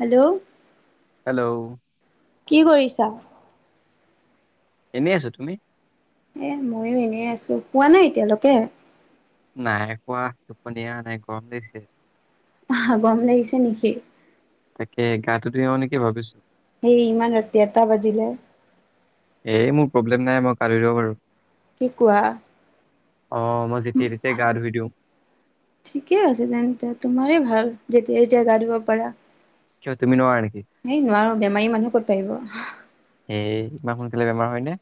Hello. Hello. কি কৰিছা? এনেই আছো তুমি? এ ময়ো এনেই আছো শুৱা নাই এতিয়ালৈকে? নাই শুৱা, টোপনীয়ে অহা নাই গৰম লাগিছে। আহা গম লাগিছে নেকি? তাকে গাটো ধুই আহোঁ নিকি ভাবিছো। হেই ইমান ৰাতি এটা বাজিলে। এই মোৰ প্ৰব্লেম নাই মই গা ধুই দিব পাৰোঁ। কি কোৱা? অ মই যেতিয়াই তেতিয়াই গা ধুই দিওঁ। ঠিকে আছে তেন্তে তোমাৰেই ভাল যেতিয়া তেতিয়া গা ধুব পাৰা। কিয় তুমি নোৱাৰা নেকি সেই নোৱাৰো বেমাৰী মানুহ ক'ত পাৰিব? এই ইমান সোনকালে বেমাৰ হয় নে?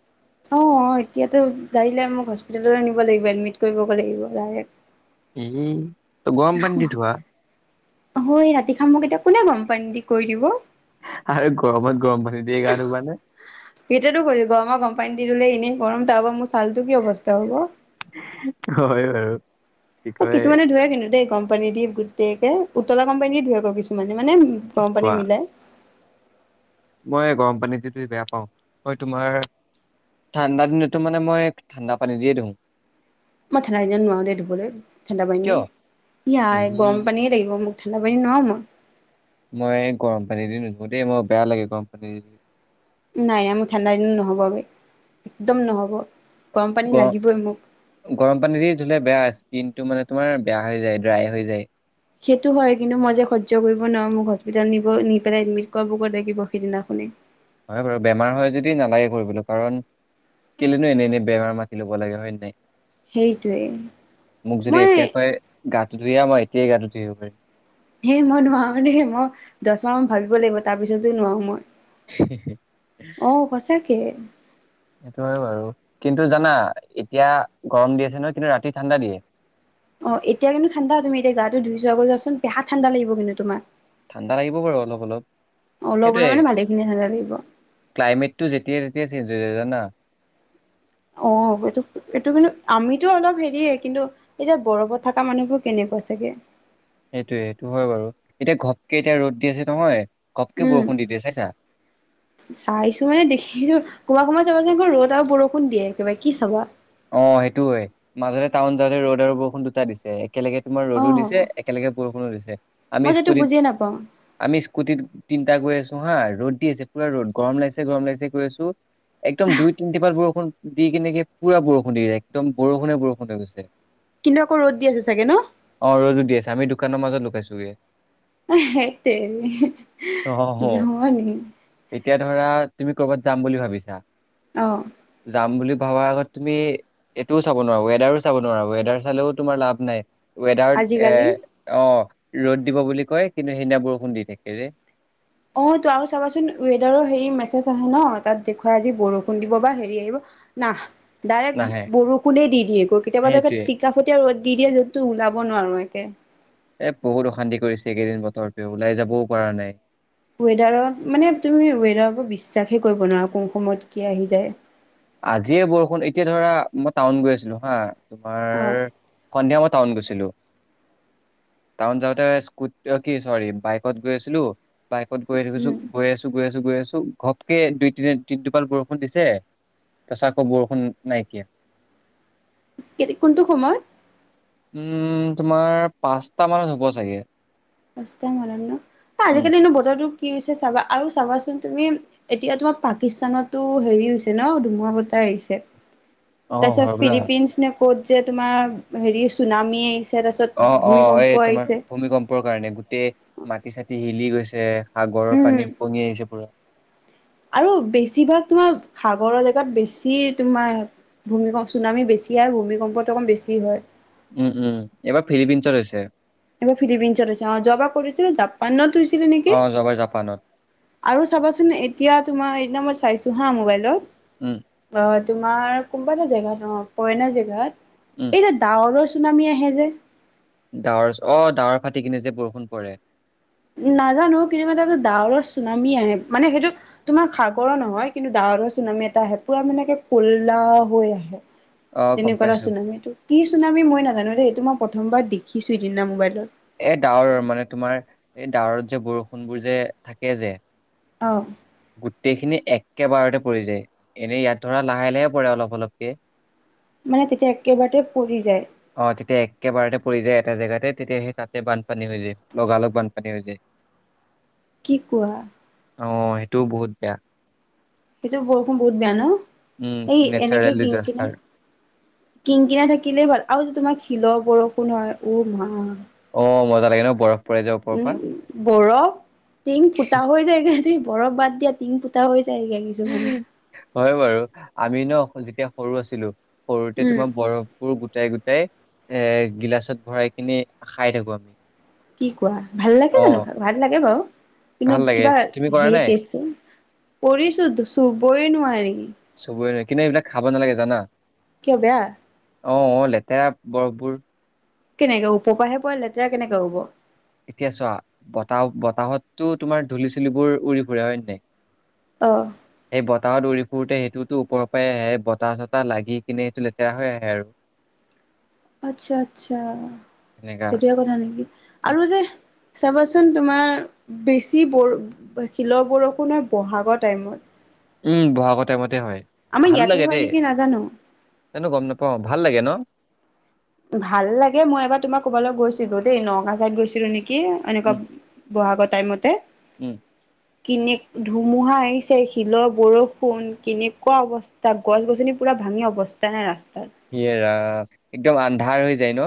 অ এতিয়াতো [inaudible] মোক হস্পিতাললে নিব লাগিব এডমিট কৰিবগৈ লাগিব ডাইৰেক্ট। উম [inaudible] ত গৰম পানী দি ধোঁৱা। হয় ৰাতি খাম মোক এতিয়া কোনে গৰম পানী দি কৈ দিব? আৰু গৰমত গৰম পানী দিয়ে গা ধুবা [unintelligible] নে এতিটো কৰিব আমাক গম পানী দি দলে এনেই। গৰম তাৰপা মোৰ ছালটো কি অৱস্থা হ'ব? [unintelligible] হয় বাৰু। কি অ কয় কিছুমানে ধুুৱে কিন্তু দেই, গম পানী দি। তেকে উতলা গৰম পানী ধুৱেক কিছুমানে। মানে গৰম পানী কোৱা মিলাই। মই গৰম পানী দি ধুই বেয়া পাওঁ। মই তোমাৰ ঠাণ্ডা দিনতো মানে মই ঠাণ্ডা পানী দিয়ে ধু। মই ঠাণ্ডা দিনত নোৱাৰো দেই ধুবলৈ, ঠাণ্ডা পানী কিয় দি এই ইয়াই গৰম পানীয়ে লাকিব মোক। ঠাণ্ডা পানী নোৱাৰোঁ মই মই গৰম পানী দি নুধো দেই মই বেয়া লাগে গৰম পানী দি। নাই নাই মোৰ ঠাণ্ডা দিনো নহ'ব বেই একদম নহ'ব গৰম পানী গ লাগিবই মোক গৰম পানী দি ধুলে বেয়া স্কিনটো মানে তোমাৰ বেয়া হৈ যায় ড্ৰাই হৈ যায় সেইটো হয় কিন্তু মই যে সহ্য কৰিব নোৱাৰো মোক হস্পিতেল নিব নি পেলাই এডমিট কৰা লাগিব সেইদিনাখনি হয় বাৰু বেমাৰ হয় যদি নালাগে কৰিবলৈ কাৰণ কেলেনো এনে এনে বেমাৰ মাতি লব লাগে হয় নে নাই সেইটোৱে মোক যদি মই এতিয়া কয় গাটো ধুই আহা মই এতিয়াই গাটো ধুই আহিব পাৰিম হেই মই নোৱাৰো দেই মই দছমাহ মান ভাবিব লাগিব তাৰ পিছতো নোৱাৰো মই অ সঁচাকে সেইটোয়ে বাৰু কিন্তু জানা এতিয়া গৰম দি আছে নহয় কিন্তু ৰাতি ঠাণ্ডা দিয়ে অ এতিয়া কিন্তু ঠাণ্ডা তুমি এতিয়া গাটো ধুই চোৱাাৈ যোৱাচোন বে ঠাণ্ডা লাগ কিন্তু তোমাৰ ঠাণ্ডা লাগিব বাৰু অলপ অলপ অলপ সেইটোৱে অলপ মানে ভালেখিনি ঠাণ্ডা লাগিব। ক্লাইমেটটো যেতিয়া তেতিয়া চেঞ্জ। [unintelligible] অ এইটো এইটো কিন্তু আমিতো অলপ হেৰিয়ে কিন্তু এতিয়া বৰফত থকা মানুহবোৰ কেনেকুৱা চাগে সেইটোয়ে সেইটো হয় বাৰু এতিয়া ঘপকে এতিয়া ৰ'দ দি আছে নহয় ঘপকে উম বৰষুণ দি দিয়ে চাইছা। চাইছো মানে দেখিছো সোমাই সোমাই চা [unintelligible] [unintelligible] বৰষুণ দিয়ে একেবাৰে কি চাবা অ সেইটো হয় মাজতে টাউন যাওঁতে ৰ'দ আৰু বৰষুণ দুটা দিছে। একেলগে তোমাৰ অ' ৰ'দো দিছে একেলগে বৰষুণো দিছে আমি মই যে এইটো স্কুটিত বুজিয়ে নাপাওঁ আমি স্কুটিত তিনিটা গৈ আছো অহা ৰ'দ দি আছে পুৰা ৰ'দ গৰম লাগিছে গৰম লাগিছে গৈ আছো একদম দুই তিনিটিপাত বৰষুণ দি কেনেকে পুৰা বৰষুণ দিয় একদম বৰষুণে বৰষুণ হৈ গৈছে কিন্তু আকৌ ৰ'দ দি আছে চাগে ন? অ ৰ'দো দি আছে আমি দোকানৰ মাজত ল পেছুৱে সেইত তেৰি অ জমনি এতিয়া ধৰা তুমি কৰ'বাত যাম বুলি ভাবিছা অ' যাম বুলি আগত তুমি এইটোও চাব নোৱাৰা ৱেডাৰো চাব নোৱাৰা ৱেডাৰ চালেও তোমাৰ লাভ নাই ৱেদাৰ এ আজিকালি অ ৰ'দ দিব বুলি কয় কিন্তু সেইদিনা বৰষুণ দি থাকে ৰে অ ত আৰু চাবাচোন ৱেডাৰৰ হে মেজজ আহে ন তাত দেখুৱাই আজি বৰষুণ দিব বা হেৰি আহিব না নাহে ডাইৰেক্ট বৰষুণে দি দিয়ে গৈ কেতিয়াবা সেইটোয়ে টকাটীয়া ৰ দি দিয়া য'ততো ওলাব নোৱাৰো একে এ বহুত অশান্তি কৰিছে এইকেইদিন বতৰটোোৱে ওলাই যাবও পৰা নাই ৱেডাৰত মানে তুমি ৱেডাৰ বিশ্বাসে কৰিব নোৱাৰা কোন সময়ত কি আহি যায় আজিয়ে বৰষুণ এতিয়া ধৰা মই টাউন গৈ আছিলো হা তোমাৰ অ সন্ধিয়া সময়ত টাউন গৈছিলো, টাউন যাওঁতে স্কুটাৰ কি ছৰি বাইকত গৈছিলো বাই ক'ত গৈ আছো, গৈ আছো, উম গৈ আছো, গৈ আছো, গৈ আছো, ঘপকে দুই, তিনি টোপাল বৰষুণ দিছে, তাৰপাছত আকৌ বৰষুণ নাইকিয়া। কোনটো সময়ত? উম, তোমাৰ পাঁচটা মানত হ'ব চাগে পাঁচটা মানত ন উম। আজিকালি এনো বতৰটো কি হৈছে চাবা, আৰু চাবাচোন তুমি এতিয়া তোমাৰ পাকিস্তানতো হেৰি হৈছে ন, ধুমুহা বতাহ আহিছে। অ', তাৰপাছত হৰবলা ফিলিপিন্ছ নে ক'ত যে তোমাৰ হেৰি ছুনামি আহিছে তাৰপিছত অ- অ ভূমিকম্প এই তোমাৰ আহিছে ভূমিকম্পৰ হয়নে গোটেই মাটি- চাতি শিলি গৈছে, সাগৰৰ উম পানী, উপঙি আহিছে পুৰা আৰু বেছিভাগ তোমাৰ সাগৰৰ জেগাত বেছি তোমাৰ ভূমিকম্প, ছুনামি বেছিয়ে আৰু ভূমিকম্পটো অকণমান বেছি হয়। উম -উম এবাৰ ফিলিপিনছত হৈছে। এইবাৰ ফিলিপিনছত হৈছে, অ যোৱাবাৰ ক'ত হৈছে জাপানত হৈছে হৈছিলে নেকি অ', যোৱাবাৰ জাপানত। আৰু চাবাচোন এতিয়া তোমাৰ চাইছোঁ হা উম, মোবাইলত অ তোমাৰ কোনোবা এটা জেগাত অ ফ্ৰৰেনৰ উম, জেগাত এই যে ডাৱৰৰ ছুনামী আহে যে ডাৱৰ, অ ডাৱৰ ফাটি কিনে যে বৰষুণ পৰে নাজানো কিন্তু মানে যে ডাৱৰৰ ছুনামী আহে মানে সেইটো তোমাৰ সাগৰৰ নহয় কিন্তু ডাৱৰৰ ছুনামী এটা আহে পুৰা মানে এনেকে কোলা হৈ আহে। অ', গম তেনেকুৱা এটা পাইছো। ছুনামীটো, কি ছুনামী মই নাজানো দেই তোমাৰ প্ৰথমবাৰ দেখিছোঁ, সেইদিনা মোবাইলত এ ডাৱৰৰ মানে তোমাৰ এই ডাৱৰত যে বৰষুণবোৰ যে থাকে যে অ গোটেইখিনি একেবাৰতে পৰি যায়, এনেই ইয়াত ধৰা লাহে -লাহে পৰে অলপ- অলপকে মানে তেতিয়া একেবাৰতে পৰি যায় অ তেতিয়া একেবাৰতে পৰি যায় এটা জেগাতে তেতিয়া সেই তাতে বানপানী হৈ যায়, লগালগ বানপানী হৈ যায়। কি কোৱা? হয় ইটো বহুত বেয়া। সেইটো বৰষুণ বহুত বেয়া ন? উম এই এনেকে নেচাৰেল কিন- কিনাই, ডিজাষ্টাৰ কিন -কিনাই থাকিলেই ভাল আৰু যে তোমাক শীতল বৰষুণনো আহে [unintelligible] অঁ মজা লাগে বয়স উম বৰফ টিং ফুটা হৈ যায়গৈ বৰফ বাদ দিয়া টিং পোতা হৈছে হয় বাৰু আমি ন যেতিয়া সৰু আছিলো সৰুতে উম তোমাৰ বৰফবোৰ গোটাই গোটাই এৰ গিলাচত ভৰাই কিনি খাই থাকো আমি কি কোৱা ভাল লাগে অ জানো ভাল লাগে বাৰু কিন্তু ভাল লাগে কিবা তুমি কৰা হে নাই টেষ্টতো কৰিছো চুবই নোৱাৰি চুবই নোৱাৰি কিন্তু এইবিলাক খাব নালাগে জানা কিয় বেয়া অঁ অঁ লেতেৰা বৰফবোৰ কেনেকৈ ওপৰ পৰাহে পোৱা লেতেৰা কেনেকৈ পৰিব এতিয়া চোৱা বতাহ বতাহতো তোমাৰ ধূলি চুলিবোৰ উৰি ফুৰে হয় নে নাই আঁ এই বতাহত উৰি ফুৰোতে সেইটোতো ওপৰৰ পৰাই আহে বতাহ চতাহ লাগি কিনে সেইটো লেতেৰা হৈ আহে আৰু আচ্ছা আচ্ছা এনেকা সেইটোয়ে কথা নেকি উম, আৰু যে চাবাচোন তোমাৰ বেছি ব শিলৰ বৰষুণ হয় বহাগৰ টাইমত উম বহাগৰ টায়মত আমাৰ ইয়াতে হয় নেকি নাজানো জানো গম নাপাওঁ ভাল লাগে ন ভাল লাগে মই এবাৰ তোমাৰ ক'ৰবালৈ গৈছিলো দেই নগাঁও চাইড গৈছিলো নেকি কি এনেকুৱা উম, বহাগত টাইম মতে উম কেনে ধুমুহা আহিছে শিলৰ বৰষুণ কেনেকুৱা অৱস্থা গছ -গছনি পুৰা ভাঙি অৱস্থা নাই ৰাস্তাত সেৰা একদম আন্ধাৰ হৈ যায় ন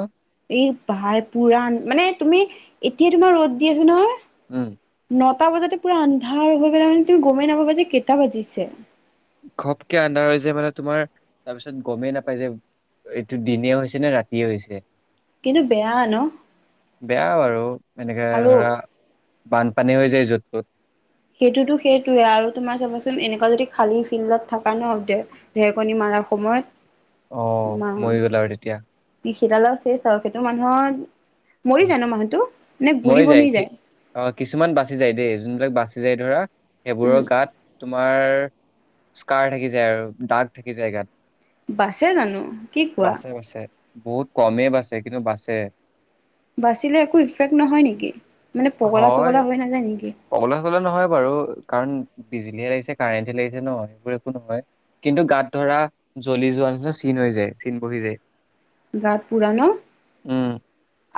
এই ভাই পুৰাণ মানে তুমি এতিয়া তোমাৰ ৰ'দ দি আছে নহয় উম নটা বজাতে পুৰা আন্ধাৰ হৈ পেলাই মানে তুমি গমেই নাপাবা যে কেইটা বাজিছে ঘপকৈ আন্ধাৰ হৈ যে মানে তোমাৰ তাৰপিছত গমেই নাপাই যে এইটো দিনে হৈছে নে ৰাতিয়ে হৈছে কিন্তু বেয়া ন বেয়া বাৰু এনেকৈ আৰু ধৰা বানপানী হৈ যায় য'ত তত সেইটোতো সেইটোৱে আৰু তোমাৰ চাবচোন এনেকুৱা যদি খালী ফিল্ডত থকা ন ঢেৰেকনি মাৰাৰ সময়ত অঁ মই ওঁ ওলাই আৰু তেতিয়া শীতালৰ চেচ আৰু সেইটো মানুহৰ মৰি যায় ন মানুহটো নে গুৰি মৰি যায় বনি কি অ কিছুমান বাচি যায় দেই যোনবিলাক বাচি যায় ধৰা উম সেইবোৰৰ গাত তোম তোমাৰ স্কাৰ থাকি যায় আৰু দাগ থাকি যায় গাত বাছে জানো কি কোৱা বাচে বাচে বহুত কমেই বাছে কিন্তু বাছে বাচিলে একো ইফেক্ট নহয় নেকি মানে পগলা হয় চগলা হৈ নাযায় নেকি পগলা চগলা নহয় বাৰু কাৰণ বিজুলীহে লাগিছে কাৰেণ্টহে লাগিছে ন সেইবোৰ একো নহয় কিন্তু গাত ধৰা জ্বলি যোৱাৰ নিচিনা চিন হৈ যায় চিন বহি যায় গাত পুৰা ন উম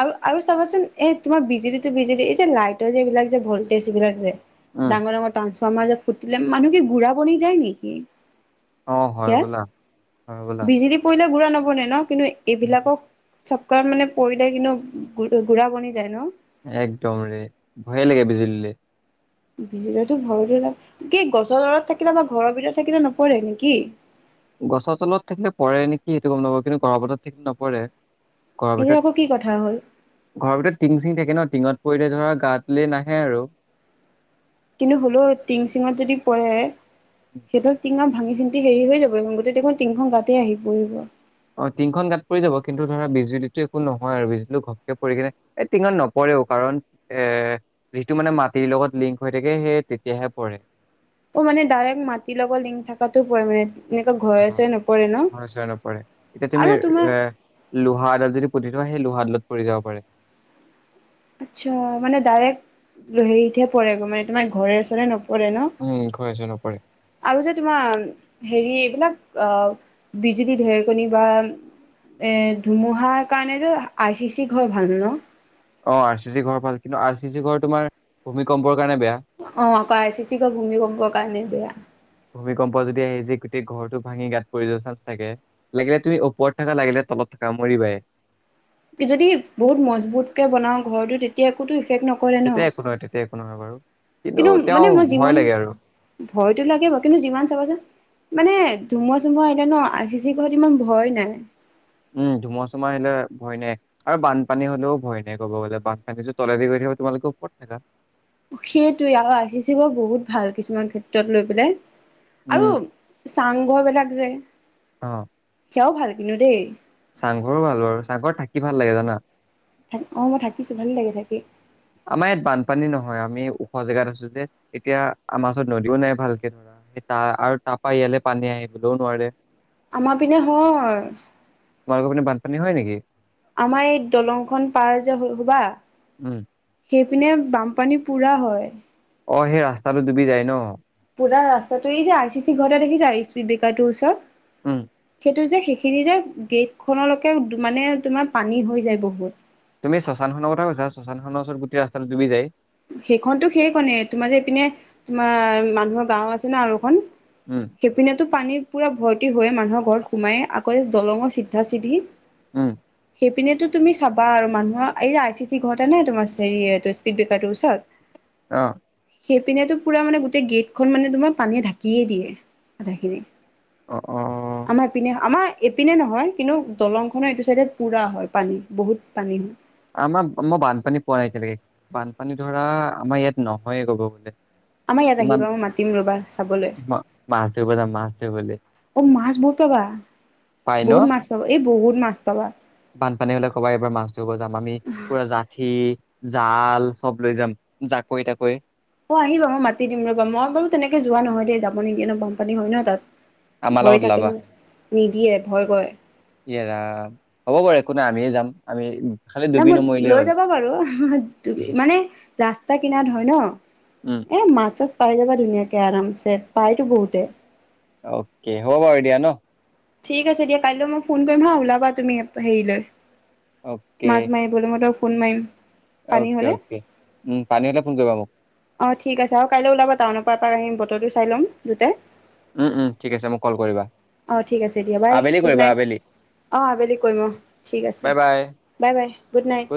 আৰু আৰু চাবাচোন এ তোমাৰ বিজুলীটো বিজুলী এই যে লাইটৰ যে এই বিলাক যে ভল্টেজ বিলাক যে উম ডাঙৰ ডাঙৰ টাৰ টৰাজবমাৰ যে ফুটিলে মানুহ কি গুৰা বনি যায় নেকি অ হয় ত বোলা হয় বোলা বিজুলী পৰিলেও গুৰা নব বনে ন কিন্তু এইবিলাকক চপকাৰ মানে পৰিলে কিন্তু গু গুৰা বনি যায় ন একদম ৰে ভয়ে লাগে বিজুলীলে বিজুলিলে টো ভয় টো লাগে কি গছৰ ডালত থাকিলে বা ঘৰৰ ভিতৰত থাকিলে নপৰে নেকি গছৰ তলত থাকিলে পৰে নেকি এইটো গম নাপাওঁ কিন্তু ঘৰ ভিতৰত থাকিলে নপৰে ঘৰৰ এইটো ভিতৰত আকৌ কি কথা হ'ল? ঘৰৰ ভিতৰত টিং চিং থাকে ন টিঙত পৰিলে ধৰা গাতলে নাহে আৰু কিন্তু হ'লেও টিং চিঙত যদি পৰে সেইটো টিঙত ভাঙি চিন্তি হেৰি হৈ যাব লাগিব গোটেই দেখোন তিনিখন গাতে আহি পৰিব অ টিঙখন গাত পৰি যাব কিন্তু ধৰা বিজুলীটো একো নহয় আৰু বিজুলী ঘপকে পৰি কিনে এই টিঙত নপৰেও কাৰণ এ যিটো মানে মাটিৰ লগত লিংক হৈ থাকে সেই তেতিয়াহে পৰে অ মানে ডাইৰেক্ট মাটিৰ লগত লিংক থকাটো পৰি মানে এনেকুৱা অ ঘৰে চৰে নপৰে ন? ঘৰে চৰে নপৰে এতিয়া তুমি আৰু তোমাৰ এ লোহা এডাল যদি পুতি থোৱা লোহা দালত পৰি যাব পাৰে আচ্ছা মানে ডাইৰেক্ট হেৰিতহে পৰেগই মানে তোমাৰ ঘৰে চৰে নপৰে নপৰে উম ঘৰে চৰে নপৰে ন আৰু যে তোমাৰ হেৰি এইবিলাক অ বিজুলী ঢেৰেকনি বা এ ধুমুহাৰ কাৰণে যে আই চি চি ঘৰ ভাল হয় ন অ আৰ চি চি ঘৰ ভাল কিন্তু আৰ চি চি ঘৰ তোমাৰ ভূমিকম্পৰ কাৰণে বেয়া অ আকৌ আৰ চি চি ঘৰ ভূমিকম্পৰ কাৰণে বেয়া ভূমিকম্প যদি আহি যায় গোটেই ঘৰটো ভাঙি গাত পৰি যোৱা চান্স থাকে লাগিলে তুমি ওপৰত থাকা লাগিলে তলত থাকা মৰিবাই যদি বহুত মজবুত কে বনাও ঘৰটো তেতিয়া একোতো নকৰে ন তেতিয়া একো নহয় তেতিয়া একো নহয় বাৰু কিন্তু তেওঁ মানে মই ভয় যিমান লাগে আৰু ভয় টো লাগে বাও কিন্তু যিমান চাবচোন মানে ধুমুহা চুমুহা আহিলেনো আৰ চি চি ঘৰত ইমান ভয় নাই উম, ধুমূহা চোমূহা আহিলে ভয় নাই আৰু বানপানী হ'লেও ভয় নাই ক'ব গ'লে, বানপানীটো তলেদি গৈ থাকা তোমালোকে ওপৰত থাকা। সেইটোৱে আৰু আজি [unintelligible] বহুত ভাল কিছুমান ক্ষেত্ৰত লৈ পেলাই। আৰু উম চাংঘ বিলাক যে অঁ। বৰ ভাল কিন্তু দেই। চাংঘৰো ভাল বাৰু চাংঘৰত থাকি ভাল লাগে জানা। অঁ, মই থাকিছো ভাল লাগে থাকি। আমাৰ ইয়াত বানপানী নহয় আমি ওখ জেগাত আছো যে, এতিয়া আমাৰ ওচৰত নদীও নাই ভালকে ধৰা সেই তা আৰু তাপৰা ইয়ালে পানী আহিবলৈও নোৱাৰে। আমাৰ পিনে হয়। তোমালোকৰ পিনে বানপানী হয় নেকি। আমাৰ এই দলংখন পাৰ যে হল হ'বা উম সেইপিনে বানপানী পুৰা হয়। অঁ সেই ৰাস্তাটো ডুবি যায় ন। পুৰা ৰাস্তাটো এই যে আৰ চি চি ঘৰতে দেখিচা এই স্পীডব্ৰেকাৰ টো ওচৰত। উম। এইটো যে সেইখিনি যে গেটখনলৈকে মানে তোমাৰ পানী হৈ যায় বহুত। তুমি শশানখনৰ কথা কৈছা, শশানখনৰ ওচৰত গোটেই ৰাস্তটো ডুবি যায়। সেইখনতো সেই কণে তোমাৰ যে এইপিনে তোমাৰ মানুহৰ গাঁও আছে ন আৰু এখন। উম সেইপিনেতো পানী পুৰা ভৰ হৈয়ে মানুহৰ ঘৰত সোমাইয়ে, আকৌ দলঙৰ চিধা চিধি উম। সেইপিনেটো তুমি চাবা আৰু মানুহৰ এই যে আৰ চি চি ঘৰ এটা নাই তোমাৰ হেৰি এটো স্পীড ব্ৰে ৰটো ওচৰত অঁ। সেইপিনেটো পুৰা মানে গোটেই গেটখন মানে তোমাৰ পানীয়ে ঢাকিয়ে দিয়ে, আধাখিনি। অ অ আমাৰ এইপিনে, আমাৰ এপিনে নহয়, কিন্তু দলংখনৰ এইটো চাইডে পুৰা হয় পানী, বহুত পানী আমাৰ মই বানপানী পোৱাই নাই এতিয়ালৈকে, বানপানী ধৰা আমাৰ ইয়াত নহয়ে ক'ব গ'লে। আমাৰ ইয়াত ইমান আহিবা মই মাতিম ৰ'বা চাবলৈ, মাছ ধৰিব যাম মাছ ধৰিবলে অঁ মাছ বহুত পাবা, পাই ন বহুত মাছ পাবা এই বহুত মাছ পাবা বানপানী হ'লে ক'বা এইবাৰ মাছ ধৰিব যাম, আমি পুৰা জাঠি জাল চব লৈ যাম, জাকৈ তাকৈ। অঁ আহিবা মই মাতি দিম ৰবা মই বাৰু তেনেকে যোৱা নহয় দেই যাব নিদিয়ে ন বানপানী হয় ন তাত। আমাৰ ভয় লগত থাকে ওলাবা, ন নিদিয়ে ভয় কৰে ইয়ে ৰাম, হ'ব বাৰু একো নাই আমিয়ে যাম। আমি খালি নাই ডুবি মই নমৰিলেই লৈ হ'ল যাব পাৰো, [unintelligible] মানে ৰাস্তাৰ কিনাৰত হয় ন। উম এ মাছ চাছ পাই যাবা ধুনীয়াকে আৰামছে, পাইতো বহুতে। অকে, হ'ব বাৰু দিয়া ন। ঠিক আছে, দিয়া কাইলৈও মই ফোন কৰিম হা ওলাবা তুমি হেৰিলৈ। অকে মাছ মায়ে বুলি মত ফোন মাৰিম। পানী অ'কে হলে অ'কে উম, পানী হ'লে ফোন কৰিবা মোক। অ' ঠিক আছে আৰু কাইলৈ ওলাবা টাউনৰ পৰা পৰা আহিম বতৰটো চাই ল'ম দোইতায়। উম উম ঠিক আছে মোক কল কৰিবা অ', ঠিক আছে দিয়া বাই আবেলি গুড কৰিবা নাইট আবেলি অ', আবেলি কৈম ঠিক আছে, bye bye bye bye good night.